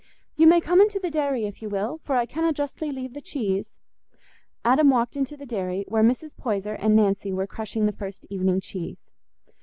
"You may come into the dairy if you will, for I canna justly leave the cheese." Adam walked into the dairy, where Mrs. Poyser and Nancy were crushing the first evening cheese.